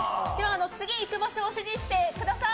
次行く場所を指示してください。